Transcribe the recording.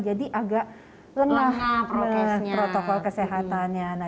jadi agak lemah protokol kesehatannya